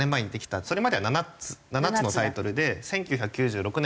それまでは７つのタイトルで１９９６年に羽生。